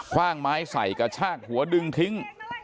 ว่างไม้ใส่กระชากหัวดึงทิ้ง